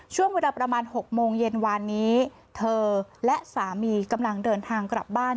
ช่วงเวลาประมาณ๖โมงเย็นวานนี้เธอและสามีกำลังเดินทางกลับบ้าน